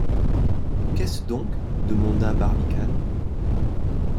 Qu’est-ce donc ? demanda Barbicane.